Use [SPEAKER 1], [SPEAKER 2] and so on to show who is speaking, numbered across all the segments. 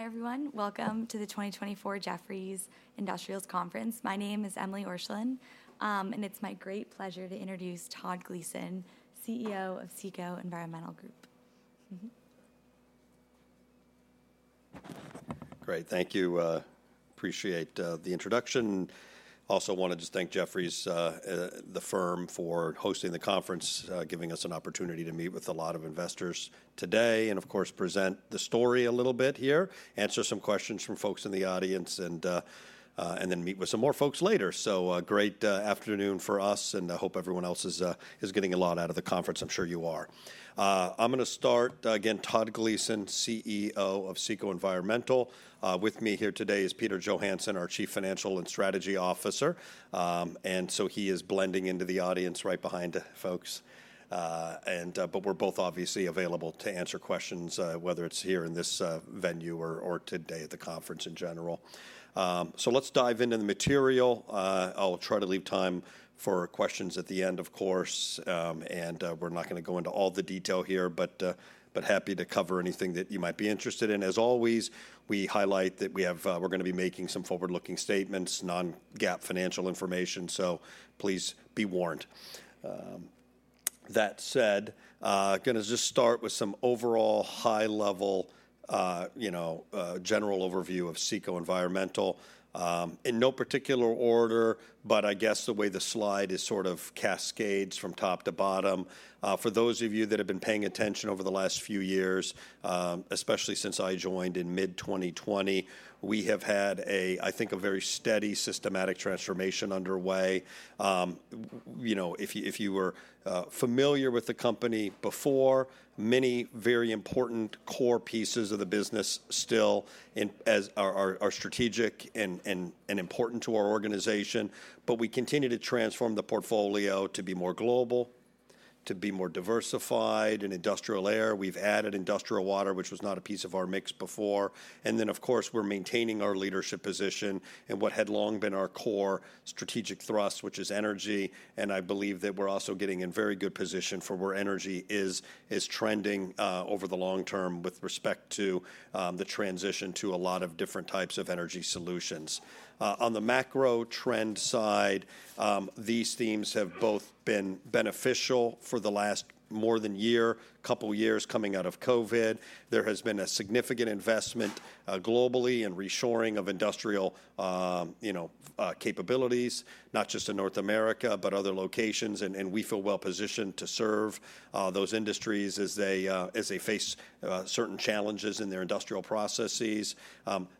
[SPEAKER 1] Hi, everyone. Welcome to the 2024 Jefferies Industrials Conference. My name is Emily Orscheln, and it's my great pleasure to introduce Todd Gleason, CEO of CECO Environmental Group.
[SPEAKER 2] Great. Thank you. Appreciate the introduction. Also wanted to thank Jefferies, the firm, for hosting the conference, giving us an opportunity to meet with a lot of investors today, and of course, present the story a little bit here, answer some questions from folks in the audience, and then meet with some more folks later. So, a great afternoon for us, and I hope everyone else is getting a lot out of the conference. I'm sure you are. I'm gonna start. Again, Todd Gleason, CEO of CECO Environmental. With me here today is Peter Johansson, our Chief Financial and Strategy Officer, and so he is blending into the audience right behind folks. And, but we're both obviously available to answer questions, whether it's here in this venue or today at the conference in general. So let's dive into the material. I'll try to leave time for questions at the end, of course, and we're not gonna go into all the detail here, but happy to cover anything that you might be interested in. As always, we highlight that we have, we're gonna be making some forward-looking statements, non-GAAP financial information, so please be warned. That said, gonna just start with some overall high-level, you know, general overview of CECO Environmental. In no particular order, but I guess the way the slide is sort of cascades from top to bottom, for those of you that have been paying attention over the last few years, especially since I joined in mid-2020, we have had a, I think, a very steady, systematic transformation underway. You know, if you were familiar with the company before, many very important core pieces of the business still in place as are strategic and important to our organization, but we continue to transform the portfolio to be more global, to be more diversified. In Industrial Air, we've added Industrial Water, which was not a piece of our mix before. And then, of course, we're maintaining our leadership position in what had long been our core strategic thrust, which is energy, and I believe that we're also getting in very good position for where energy is trending over the long term with respect to the transition to a lot of different types of energy solutions. On the macro trend side, these themes have both been beneficial for the last more than year, couple years coming out of COVID. There has been a significant investment globally in reshoring of industrial, you know, capabilities, not just in North America, but other locations, and we feel well positioned to serve those industries as they face certain challenges in their industrial processes.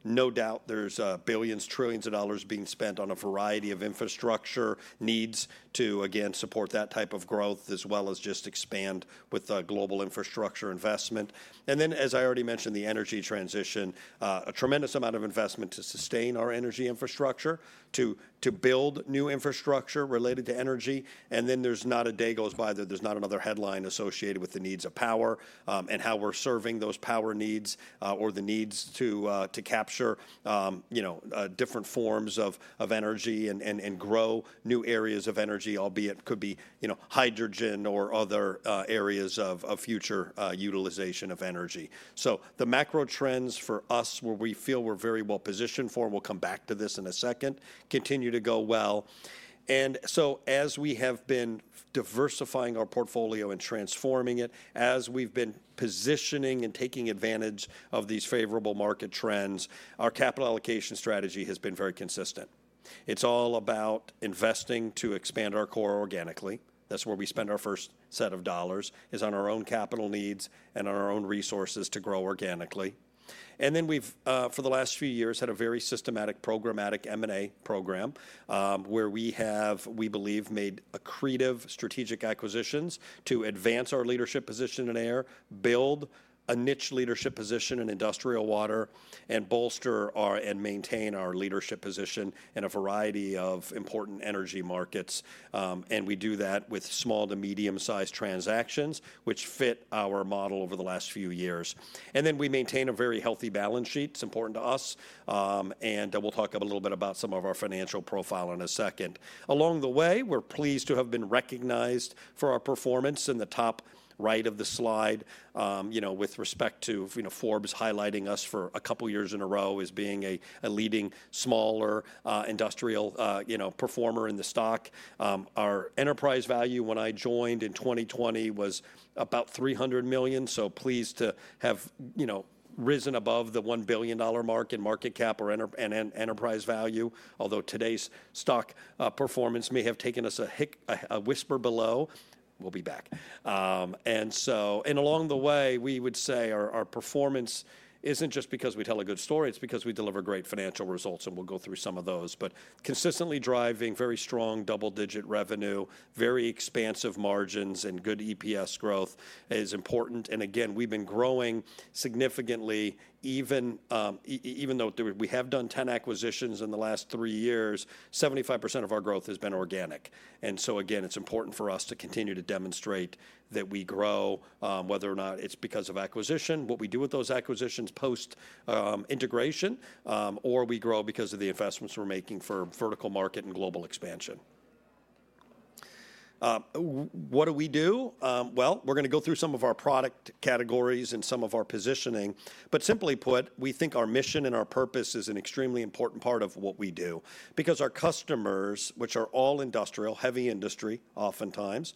[SPEAKER 2] No doubt there's billions, trillions of dollars being spent on a variety of infrastructure needs to, again, support that type of growth, as well as just expand with the global infrastructure investment. As I already mentioned, the energy transition, a tremendous amount of investment to sustain our energy infrastructure, to build new infrastructure related to energy. There's not a day goes by that there's not another headline associated with the needs of power, and how we're serving those power needs, or the needs to capture different forms of energy and grow new areas of energy, albeit could be hydrogen or other areas of future utilization of energy. So the macro trends for us, where we feel we're very well positioned for, and we'll come back to this in a second, continue to go well. And so as we have been diversifying our portfolio and transforming it, as we've been positioning and taking advantage of these favorable market trends, our capital allocation strategy has been very consistent. It's all about investing to expand our core organically. That's where we spend our first set of dollars, is on our own capital needs and on our own resources to grow organically. And then we've for the last few years, had a very systematic, programmatic M&A program, where we have, we believe, made accretive strategic acquisitions to advance our leadership position in air, build a niche leadership position in Industrial Water, and bolster our and maintain our leadership position in a variety of important energy markets. And we do that with small to medium-sized transactions, which fit our model over the last few years. And then we maintain a very healthy balance sheet. It's important to us, and we'll talk a little bit about some of our financial profile in a second. Along the way, we're pleased to have been recognized for our performance in the top right of the slide, you know, with respect to, you know, Forbes highlighting us for a couple of years in a row as being a leading smaller, industrial, you know, performer in the stock. Our enterprise value, when I joined in 2020, was about $300 million, so pleased to have, you know, risen above the $1 billion mark in market cap and enterprise value. Although today's stock performance may have taken us a hiccup, a whisper below, we'll be back. And so, along the way, we would say our performance isn't just because we tell a good story, it's because we deliver great financial results, and we'll go through some of those. But consistently driving very strong double-digit revenue, very expansive margins, and good EPS growth is important. And again, we've been growing significantly, even though we have done ten acquisitions in the last three years, 75% of our growth has been organic. And so again, it's important for us to continue to demonstrate that we grow, whether or not it's because of acquisition, what we do with those acquisitions post integration, or we grow because of the investments we're making for vertical market and global expansion. What do we do? Well, we're gonna go through some of our product categories and some of our positioning. But simply put, we think our mission and our purpose is an extremely important part of what we do, because our customers, which are all industrial, heavy industry oftentimes,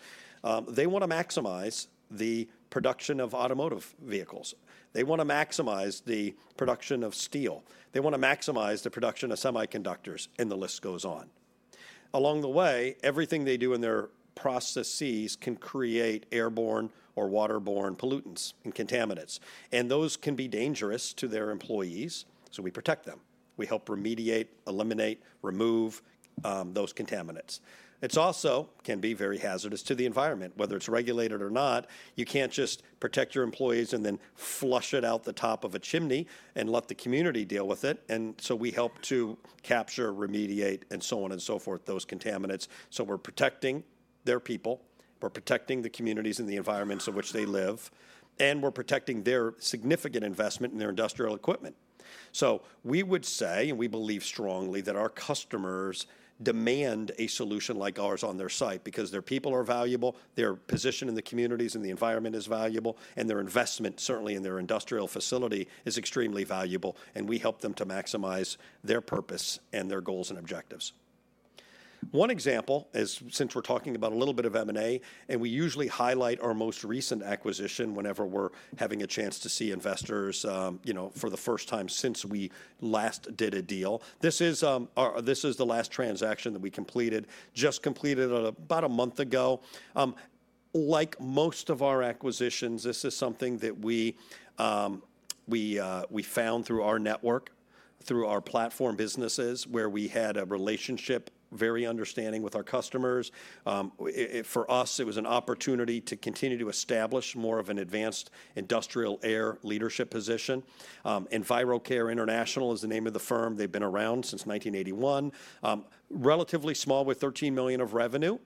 [SPEAKER 2] they wanna maximize the production of automotive vehicles. They wanna maximize the production of steel. They wanna maximize the production of semiconductors, and the list goes on. Along the way, everything they do in their processes can create airborne or waterborne pollutants and contaminants, and those can be dangerous to their employees, so we protect them. We help remediate, eliminate, remove, those contaminants. It's also can be very hazardous to the environment. Whether it's regulated or not, you can't just protect your employees and then flush it out the top of a chimney and let the community deal with it, and so we help to capture, remediate, and so on and so forth, those contaminants. So we're protecting their people, we're protecting the communities and the environments in which they live, and we're protecting their significant investment in their industrial equipment. So we would say, and we believe strongly, that our customers demand a solution like ours on their site because their people are valuable, their position in the communities and the environment is valuable, and their investment, certainly in their industrial facility, is extremely valuable, and we help them to maximize their purpose and their goals and objectives. One example is, since we're talking about a little bit of M&A, and we usually highlight our most recent acquisition whenever we're having a chance to see investors, you know, for the first time since we last did a deal. This is the last transaction that we completed, just completed it about a month ago. Like most of our acquisitions, this is something that we found through our network, through our platform businesses, where we had a relationship, very understanding with our customers. For us, it was an opportunity to continue to establish more of an advanced Industrial Air leadership position. EnviroCare International is the name of the firm. They've been around since 1981. Relatively small, with $13 million of revenue,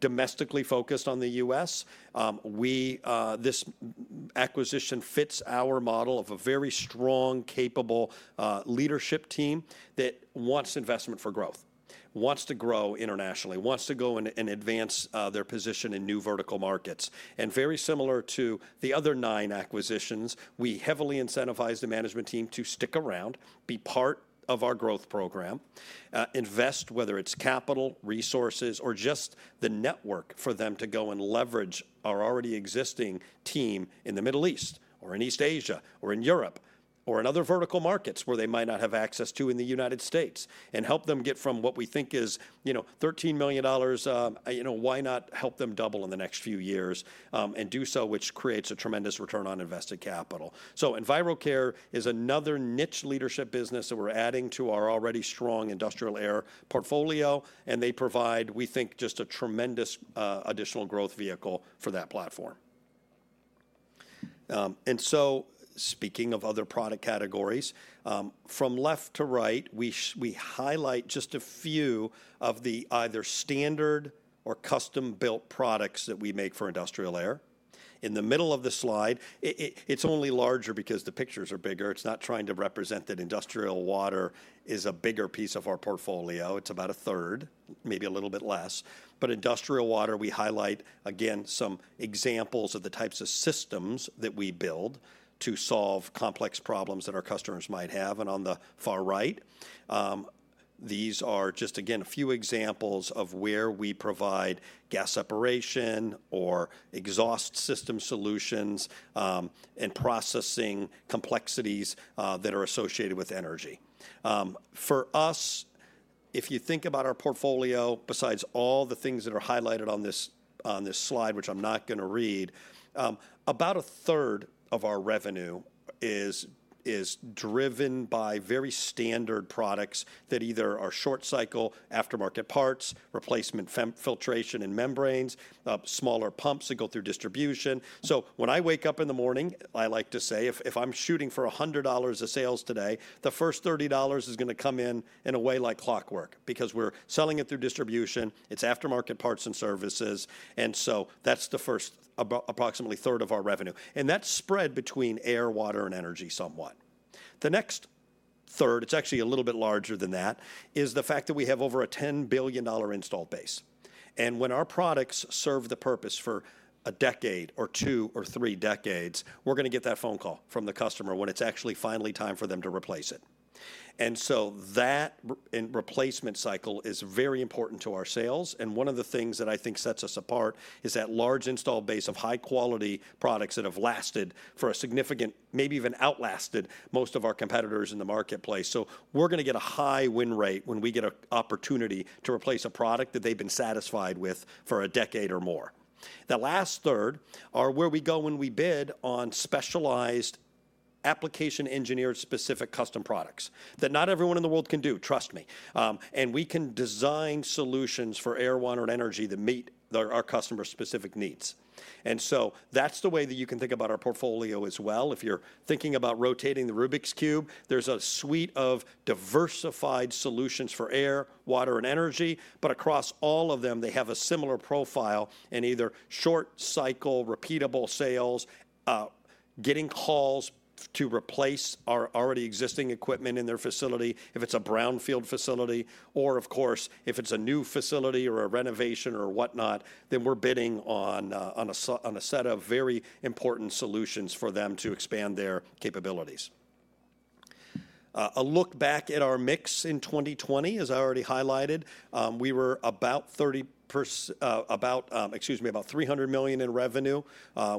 [SPEAKER 2] domestically focused on the U.S. This acquisition fits our model of a very strong, capable leadership team that wants investment for growth, wants to grow internationally, wants to go and advance their position in new vertical markets. And very similar to the other nine acquisitions, we heavily incentivize the management team to stick around, be part of our growth program, invest, whether it's capital, resources, or just the network for them to go and leverage our already existing team in the Middle East or in East Asia or in Europe or in other vertical markets where they might not have access to in the United States, and help them get from what we think is, you know, $13 million. You know, why not help them double in the next few years, and do so, which creates a tremendous return on invested capital? EnviroCare is another niche leadership business that we're adding to our already strong Industrial Air portfolio, and they provide, we think, just a tremendous additional growth vehicle for that platform. And so speaking of other product categories, from left to right, we highlight just a few of the either standard or custom-built products that we make for Industrial Air. In the middle of the slide, it's only larger because the pictures are bigger. It's not trying to represent that Industrial Water is a bigger piece of our portfolio. It's about a third, maybe a little bit less. But Industrial Water, we highlight, again, some examples of the types of systems that we build to solve complex problems that our customers might have. On the far right, these are just, again, a few examples of where we provide gas separation or exhaust system solutions, and processing complexities that are associated with energy. For us, if you think about our portfolio, besides all the things that are highlighted on this slide, which I'm not gonna read, about a third of our revenue is driven by very standard products that either are short cycle, aftermarket parts, replacement filtration and membranes, smaller pumps that go through distribution. So when I wake up in the morning, I like to say, "If I'm shooting for $100 of sales today, the first $30 is gonna come in in a way like clockwork because we're selling it through distribution, it's aftermarket parts and services," and so that's the first approximately third of our revenue, and that's spread between air, water, and energy somewhat. The next third, it's actually a little bit larger than that, is the fact that we have over a $10 billion installed base. And when our products serve the purpose for a decade or two or three decades, we're gonna get that phone call from the customer when it's actually finally time for them to replace it. And so that repair and replacement cycle is very important to our sales, and one of the things that I think sets us apart is that large installed base of high-quality products that have lasted for a significant, maybe even outlasted, most of our competitors in the marketplace. So we're gonna get a high win rate when we get an opportunity to replace a product that they've been satisfied with for a decade or more. The last third are where we go when we bid on specialized application engineer-specific custom products that not everyone in the world can do, trust me. And we can design solutions for air, water, and energy that meet their, our customers' specific needs. And so that's the way that you can think about our portfolio as well. If you're thinking about rotating the Rubik's Cube, there's a suite of diversified solutions for air, water, and energy, but across all of them, they have a similar profile in either short cycle, repeatable sales, getting calls to replace our already existing equipment in their facility, if it's a brownfield facility, or of course, if it's a new facility or a renovation or whatnot, then we're bidding on a set of very important solutions for them to expand their capabilities. A look back at our mix in 2020, as I already highlighted, we were about $300 million in revenue.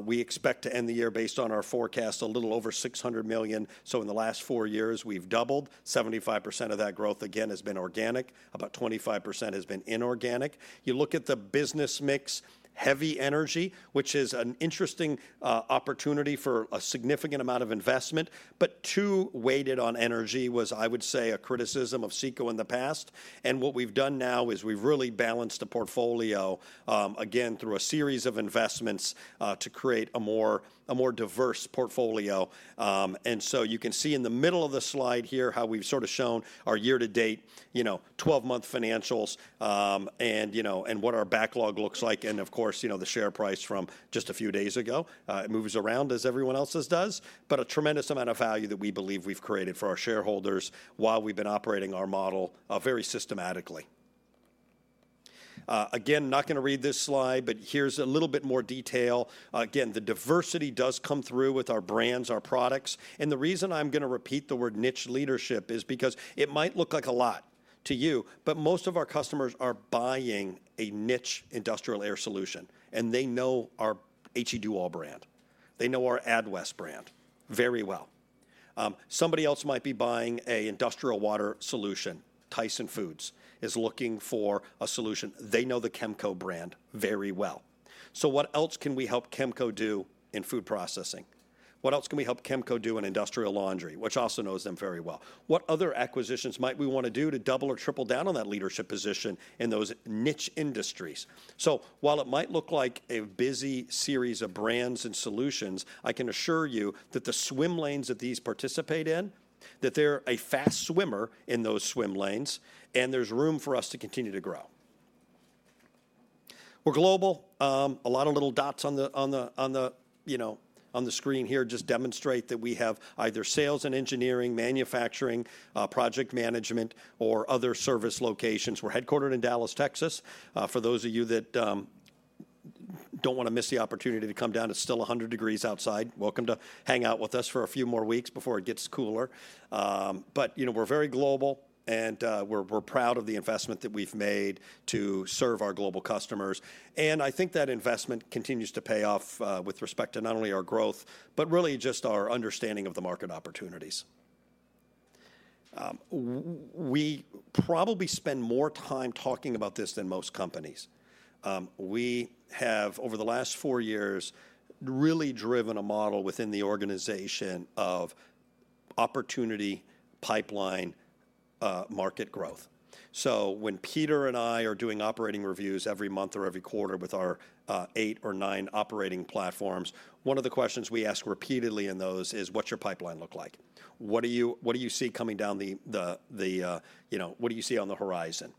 [SPEAKER 2] We expect to end the year based on our forecast, a little over $600 million. So in the last four years, we've doubled. 75% of that growth, again, has been organic. About 25% has been inorganic. You look at the business mix, heavy energy, which is an interesting opportunity for a significant amount of investment, but too weighted on energy was, I would say, a criticism of CECO in the past, and what we've done now is we've really balanced the portfolio, again, through a series of investments to create a more diverse portfolio. And so you can see in the middle of the slide here, how we've sort of shown our year-to-date, you know, 12-month financials, and, you know, and what our backlog looks like, and of course, you know, the share price from just a few days ago. It moves around as everyone else's does, but a tremendous amount of value that we believe we've created for our shareholders while we've been operating our model very systematically. Again, not gonna read this slide, but here's a little bit more detail. Again, the diversity does come through with our brands, our products, and the reason I'm gonna repeat the word niche leadership is because it might look like a lot to you, but most of our customers are buying a niche Industrial Air solution, and they know our HEE-Duall brand. They know our Adwest brand very well. Somebody else might be buying a Industrial Water solution. Tyson Foods is looking for a solution. They know the Kemco brand very well. So what else can we help Kemco do in food processing? What else can we help Kemco do in industrial laundry, which also knows them very well? What other acquisitions might we wanna do to double or triple down on that leadership position in those niche industries? So while it might look like a busy series of brands and solutions, I can assure you that the swim lanes that these participate in, that they're a fast swimmer in those swim lanes, and there's room for us to continue to grow. We're global. A lot of little dots on the screen here, you know, just demonstrate that we have either sales and engineering, manufacturing, project management, or other service locations. We're headquartered in Dallas, Texas. For those of you that don't wanna miss the opportunity to come down, it's still 100 degrees outside. Welcome to hang out with us for a few more weeks before it gets cooler. But, you know, we're very global, and, we're proud of the investment that we've made to serve our global customers. I think that investment continues to pay off, with respect to not only our growth, but really just our understanding of the market opportunities. We probably spend more time talking about this than most companies. We have, over the last four years, really driven a model within the organization of opportunity, pipeline, market growth. So when Peter and I are doing operating reviews every month or every quarter with our, eight or nine operating platforms, one of the questions we ask repeatedly in those is: What's your pipeline look like? What do you see coming down the pike, you know, what do you see on the horizon?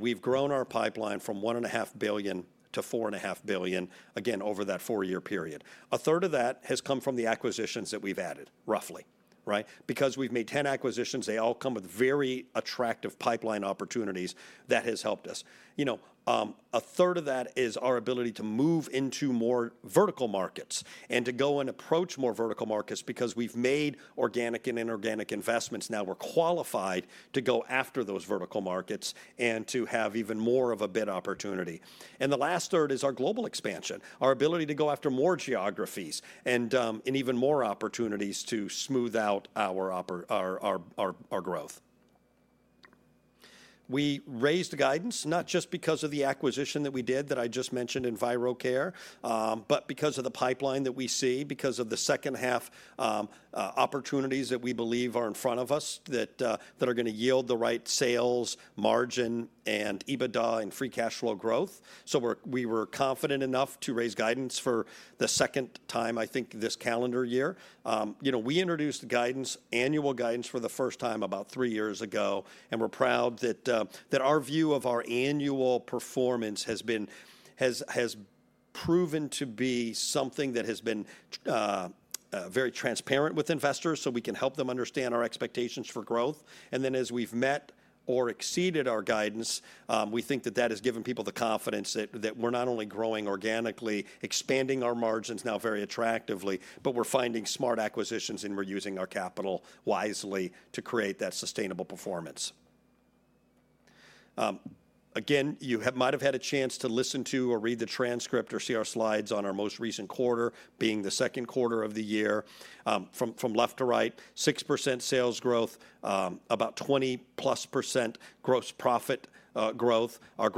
[SPEAKER 2] We've grown our pipeline from $1.5 billion-$4.5 billion, again, over that four-year period. A third of that has come from the acquisitions that we've added, roughly, right? Because we've made 10 acquisitions, they all come with very attractive pipeline opportunities that has helped us. You know, a third of that is our ability to move into more vertical markets and to go and approach more vertical markets because we've made organic and inorganic investments. Now we're qualified to go after those vertical markets and to have even more of a bid opportunity. The last third is our global expansion, our ability to go after more geographies and even more opportunities to smooth out our growth. We raised the guidance, not just because of the acquisition that we did, that I just mentioned in EnviroCare, but because of the pipeline that we see, because of the second half opportunities that we believe are in front of us, that are gonna yield the right sales, margin, and EBITDA, and free cash flow growth. So we were confident enough to raise guidance for the second time, I think, this calendar year. You know, we introduced guidance, annual guidance, for the first time about three years ago, and we're proud that our view of our annual performance has proven to be something that has been very transparent with investors, so we can help them understand our expectations for growth. And then, as we've met or exceeded our guidance, we think that has given people the confidence that we're not only growing organically, expanding our margins now very attractively, but we're finding smart acquisitions, and we're using our capital wisely to create that sustainable performance. Again, you might have had a chance to listen to or read the transcript or see our slides on our most recent quarter, being the second quarter of the year. From left to right, 6% sales growth, about 20-plus% gross profit growth. Our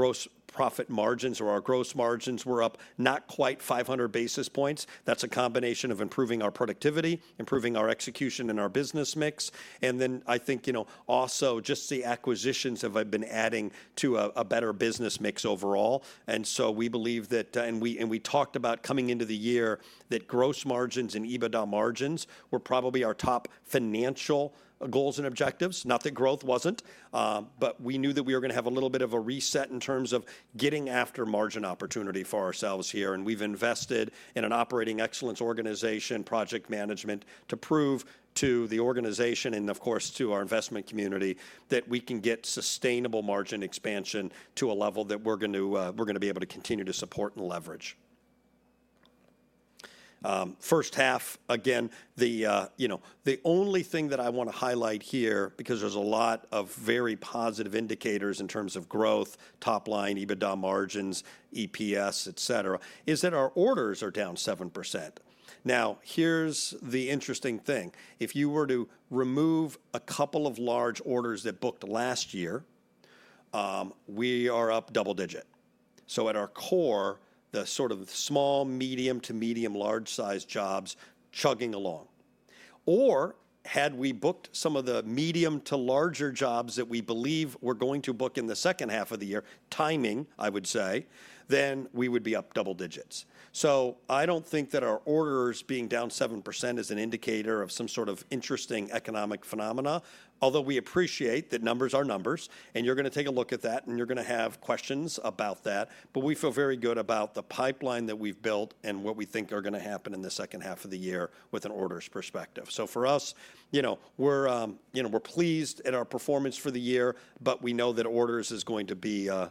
[SPEAKER 2] gross profit margins or our gross margins were up not quite 500 basis points. That's a combination of improving our productivity, improving our execution and our business mix. Then I think, you know, also just the acquisitions have been adding to a better business mix overall. So we believe that. We talked about coming into the year that gross margins and EBITDA margins were probably our top financial goals and objectives. Not that growth wasn't, but we knew that we were gonna have a little bit of a reset in terms of getting after-margin opportunity for ourselves here, and we've invested in an operating excellence organization, project management, to prove to the organization and, of course, to our investment community, that we can get sustainable margin expansion to a level that we're going to, we're gonna be able to continue to support and leverage. First half, again, the, you know, the only thing that I want to highlight here, because there's a lot of very positive indicators in terms of growth, top line, EBITDA margins, EPS, et cetera, is that our orders are down 7%. Now, here's the interesting thing: if you were to remove a couple of large orders that booked last year, we are up double digit. So at our core, the sort of small, medium to medium large-sized jobs, chugging along. Or had we booked some of the medium to larger jobs that we believe we're going to book in the second half of the year, timing, I would say, then we would be up double digits. So I don't think that our orders being down 7% is an indicator of some sort of interesting economic phenomena, although we appreciate that numbers are numbers, and you're going to take a look at that, and you're going to have questions about that. But we feel very good about the pipeline that we've built and what we think are going to happen in the second half of the year with an orders perspective. So for us, you know, we're pleased at our performance for the year, but we know that orders is going to be a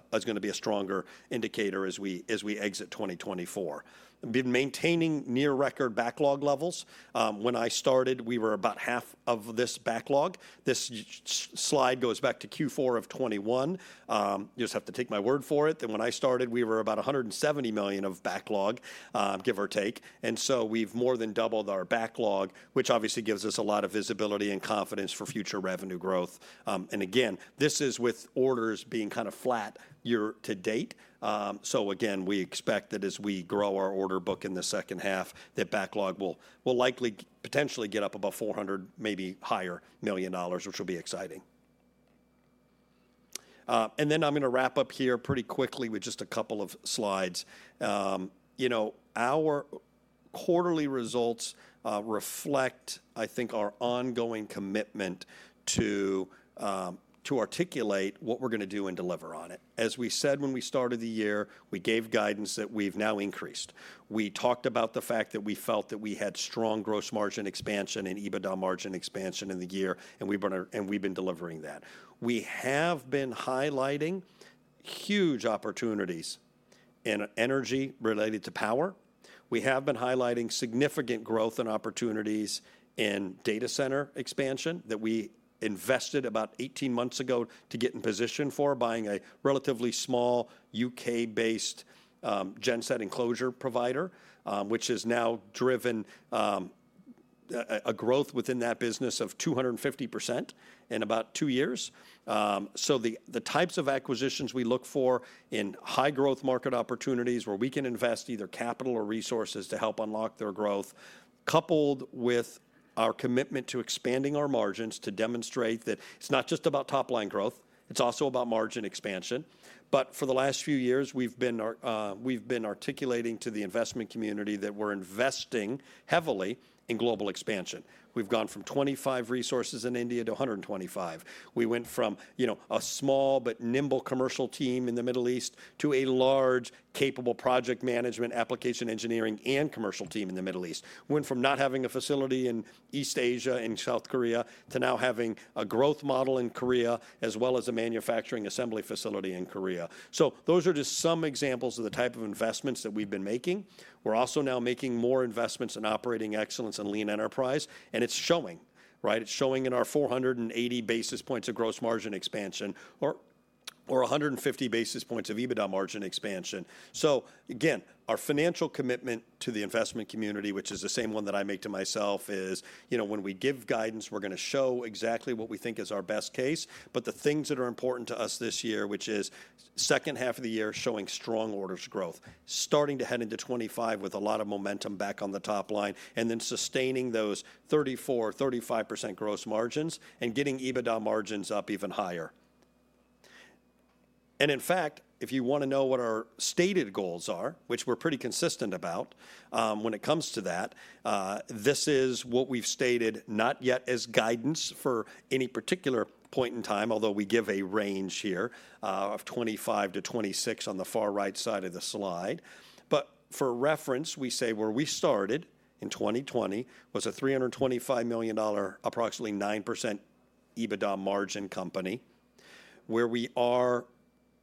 [SPEAKER 2] stronger indicator as we exit 2024. We've been maintaining near-record backlog levels. When I started, we were about half of this backlog. This slide goes back to Q4 of 2021. You just have to take my word for it, that when I started, we were about $170 million of backlog, give or take. And so we've more than doubled our backlog, which obviously gives us a lot of visibility and confidence for future revenue growth. And again, this is with orders being kind of flat year-to-date. So again, we expect that as we grow our order book in the second half, that backlog will likely potentially get up above $400 million, maybe higher, which will be exciting. And then I'm going to wrap up here pretty quickly with just a couple of slides. You know, our quarterly results reflect, I think, our ongoing commitment to articulate what we're going to do and deliver on it. As we said when we started the year, we gave guidance that we've now increased. We talked about the fact that we felt that we had strong gross margin expansion and EBITDA margin expansion in the year, and we've been delivering that. We have been highlighting huge opportunities in energy related to power. We have been highlighting significant growth and opportunities in data center expansion that we invested about 18 months ago to get in position for buying a relatively small U.K. based genset enclosure provider, which has now driven a growth within that business of 250% in about two years. So the types of acquisitions we look for in high growth market opportunities where we can invest either capital or resources to help unlock their growth, coupled with our commitment to expanding our margins to demonstrate that it's not just about top-line growth, it's also about margin expansion, but for the last few years, we've been articulating to the investment community that we're investing heavily in global expansion. We've gone from 25 resources in India to 125. We went from, you know, a small but nimble commercial team in the Middle East to a large, capable project management, application engineering, and commercial team in the Middle East. We went from not having a facility in East Asia and South Korea to now having a growth model in Korea, as well as a manufacturing assembly facility in Korea. So those are just some examples of the type of investments that we've been making. We're also now making more investments in operating excellence and lean enterprise, and it's showing, right? It's showing in our 480 basis points of gross margin expansion or a 150 basis points of EBITDA margin expansion. So again, our financial commitment to the investment community, which is the same one that I make to myself, is, you know, when we give guidance, we're going to show exactly what we think is our best case. But the things that are important to us this year, which is second half of the year, showing strong orders growth, starting to head into 2025 with a lot of momentum back on the top line, and then sustaining those 34%-35% gross margins and getting EBITDA margins up even higher. And in fact, if you want to know what our stated goals are, which we're pretty consistent about, when it comes to that, this is what we've stated, not yet as guidance for any particular point in time, although we give a range here, of 25%-26% on the far right side of the slide. But for reference, we say where we started in 2020 was a $325 million, approximately 9% EBITDA margin company. Where we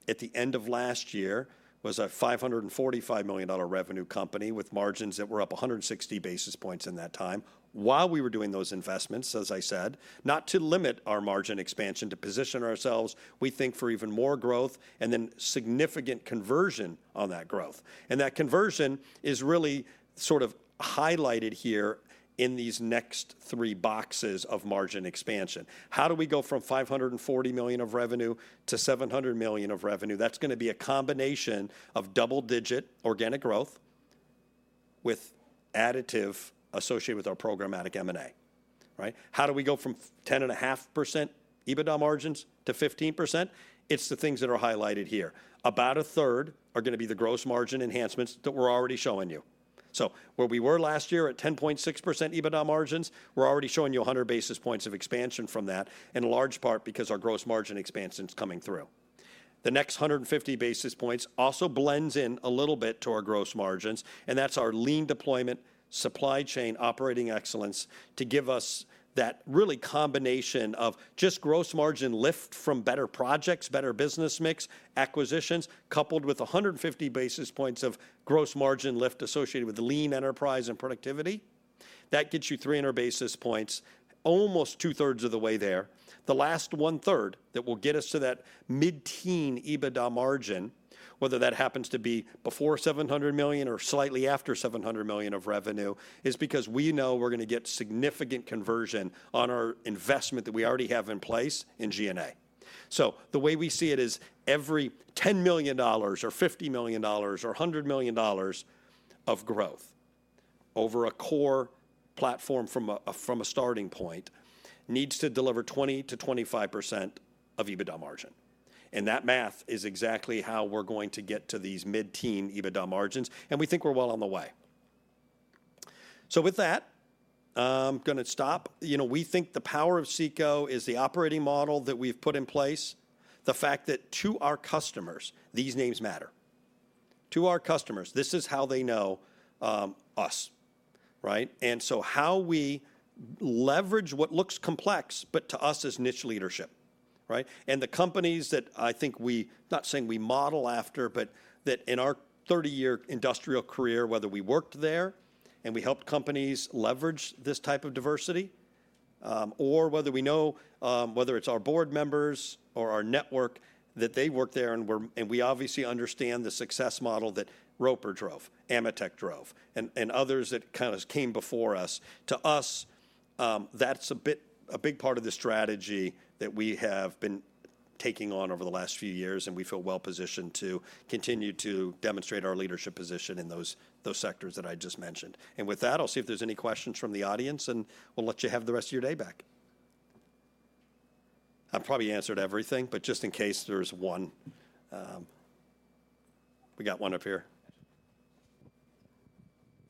[SPEAKER 2] are at the end of last year was a $545 million revenue company with margins that were up 160 basis points in that time. While we were doing those investments, as I said, not to limit our margin expansion, to position ourselves, we think, for even more growth and then significant conversion on that growth. And that conversion is really sort of highlighted here in these next three boxes of margin expansion. How do we go from $540 million of revenue to $700 million of revenue? That's going to be a combination of double-digit organic growth with additive associated with our programmatic M&A, right? How do we go from 10.5% EBITDA margins to 15%? It's the things that are highlighted here. About a third are going to be the gross margin enhancements that we're already showing you. So where we were last year at 10.6% EBITDA margins, we're already showing you 100 basis points of expansion from that, in large part because our gross margin expansion is coming through. The next 150 basis points also blends in a little bit to our gross margins, and that's our lean deployment, supply chain, operating excellence to give us that really combination of just gross margin lift from better projects, better business mix, acquisitions, coupled with 150 basis points of gross margin lift associated with lean enterprise and productivity, that gets you 300 basis points, almost two-thirds of the way there. The last one-third that will get us to that mid-teen EBITDA margin, whether that happens to be before $700 million or slightly after $700 million of revenue, is because we know we're gonna get significant conversion on our investment that we already have in place in SG&A. So the way we see it is every $10 million dollars or $50 million dollars or $100 million dollars of growth over a core platform from a starting point, needs to deliver 20% to 25% of EBITDA margin. And that math is exactly how we're going to get to these mid-teen EBITDA margins, and we think we're well on the way. So with that, I'm gonna stop. You know, we think the power of CECO is the operating model that we've put in place, the fact that to our customers, these names matter. To our customers, this is how they know us, right? And so how we leverage what looks complex, but to us is niche leadership, right? And the companies that I think we not saying we model after, but that in our 30-year industrial career, whether we worked there and we helped companies leverage this type of diversity, or whether we know whether it's our board members or our network, that they worked there, and we obviously understand the success model that Roper drove, AMETEK drove, and, and others that kind of came before us. To us, that's a bit a big part of the strategy that we have been taking on over the last few years, and we feel well positioned to continue to demonstrate our leadership position in those sectors that I just mentioned. With that, I'll see if there's any questions from the audience, and we'll let you have the rest of your day back. I probably answered everything, but just in case there's one. We got one up here.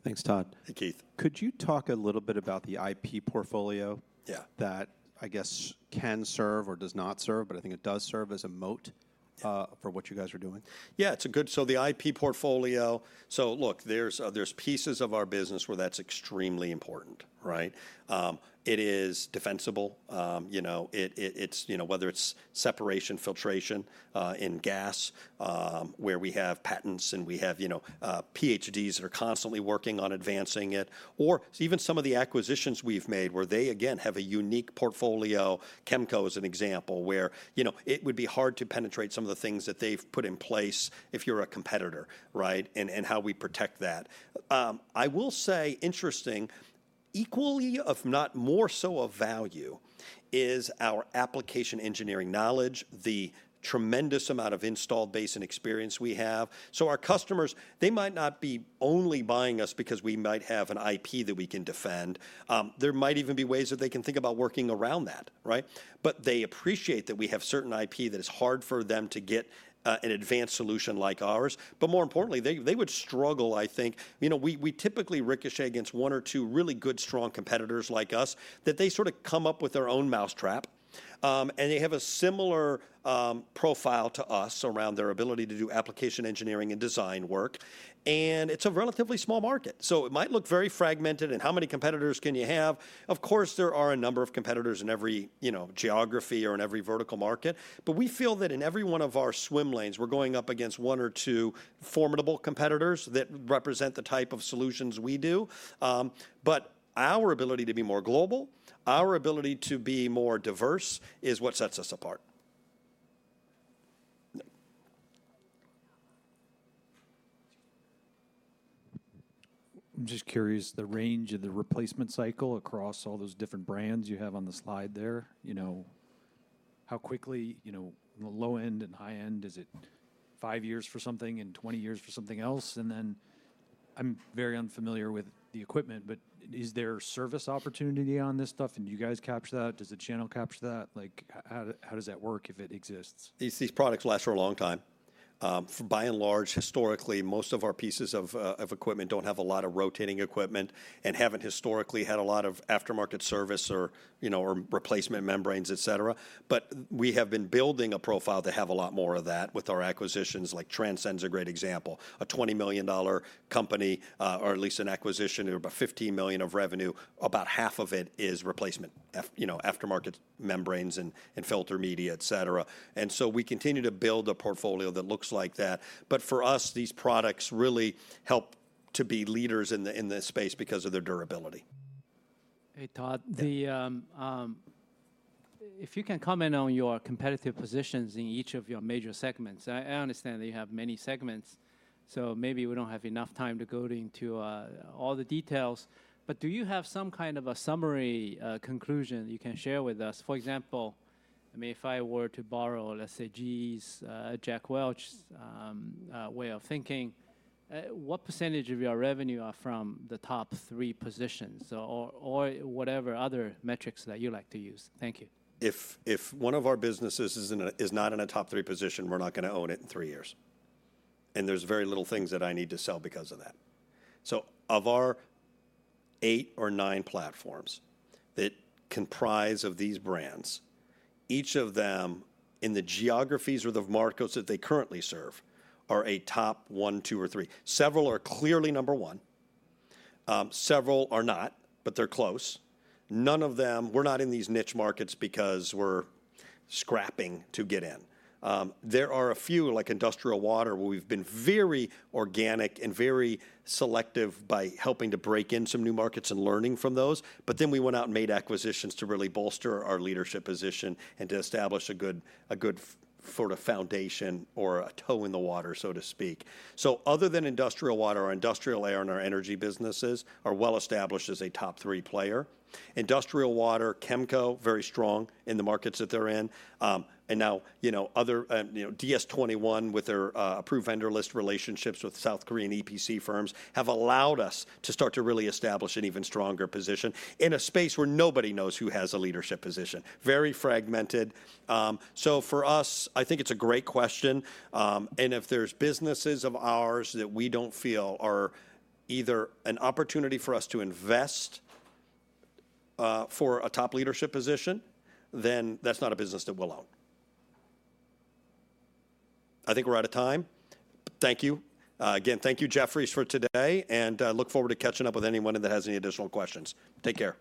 [SPEAKER 2] Thanks, Todd. Hey, Keith. Could you talk a little bit about the IP portfolio? Yeah That I guess can serve or does not serve, but I think it does serve as a moat for what you guys are doing? Yeah, it's a good. So the IP portfolio. So look, there's pieces of our business where that's extremely important, right? It is defensible. You know, it's, you know, whether it's separation, filtration in gas, where we have patents, and we have, you know, PhDs that are constantly working on advancing it, or even some of the acquisitions we've made, where they, again, have a unique portfolio. Kemco is an example where, you know, it would be hard to penetrate some of the things that they've put in place if you're a competitor, right? And how we protect that. I will say, interesting, equally, if not more so of value, is our application engineering knowledge, the tremendous amount of installed base and experience we have. So our customers, they might not be only buying us because we might have an IP that we can defend. There might even be ways that they can think about working around that, right? But they appreciate that we have certain IP that is hard for them to get an advanced solution like ours, but more importantly, they would struggle, I think. You know, we typically ricochet against one or two really good, strong competitors like us, that they sort of come up with their own mousetrap, and they have a similar profile to us around their ability to do application engineering and design work, and it's a relatively small market. So it might look very fragmented, and how many competitors can you have? Of course, there are a number of competitors in every, you know, geography or in every vertical market, but we feel that in every one of our swim lanes, we're going up against one or two formidable competitors that represent the type of solutions we do, but our ability to be more global, our ability to be more diverse, is what sets us apart. I'm just curious, the range of the replacement cycle across all those different brands you have on the slide there, you know, how quickly, you know, the low end and high end, is it five years for something and 20 years for something else? I'm very unfamiliar with the equipment, but is there service opportunity on this stuff, and do you guys capture that? Does the channel capture that? Like, how does that work, if it exists? These products last for a long time. By and large, historically, most of our pieces of equipment don't have a lot of rotating equipment and haven't historically had a lot of aftermarket service or, you know, or replacement membranes, et cetera. but we have been building a profile to have a lot more of that with our acquisitions, like Transcend's a great example, a $20 million company, or at least an acquisition about $15 million of revenue. About half of it is replacement, you know, aftermarket membranes and filter media, et cetera. and so we continue to build a portfolio that looks like that. but for us, these products really help to be leaders in this space because of their durability. Hey, Todd. Hey. If you can comment on your competitive positions in each of your major segments. I understand that you have many segments, so maybe we don't have enough time to go into all the details. But do you have some kind of a summary conclusion you can share with us? For example, I mean, if I were to borrow, let's say, GE's Jack Welch's way of thinking, what percentage of your revenue are from the top three positions or whatever other metrics that you like to use? Thank you. If one of our businesses is not in a top three position, we're not gonna own it in three years. And there's very little things that I need to sell because of that. So of our eight or nine platforms that comprise of these brands, each of them, in the geographies or the markets that they currently serve, are a top one, two, or three. Several are clearly number one. Several are not, but they're close. None of them. We're not in these niche markets because we're scrapping to get in. There are a few, like Industrial Water, where we've been very organic and very selective by helping to break in some new markets and learning from those. But then we went out and made acquisitions to really bolster our leadership position and to establish a good sort of foundation or a toe in the water, so to speak. So other than Industrial Water, our Industrial Air and our energy businesses are well established as a top three player. Industrial Water, Kemco, very strong in the markets that they're in. And now, you know, other, you know, DS21, with their approved vendor list relationships with South Korean EPC firms, have allowed us to start to really establish an even stronger position in a space where nobody knows who has a leadership position. Very fragmented. So for us, I think it's a great question. And if there's businesses of ours that we don't feel are either an opportunity for us to invest for a top leadership position, then that's not a business that we'll own. I think we're out of time. Thank you. Again, thank you, Jefferies, for today, and look forward to catching up with anyone that has any additional questions. Take care.